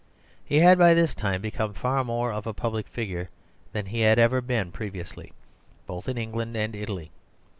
He had by this time become far more of a public figure than he had ever been previously, both in England and Italy.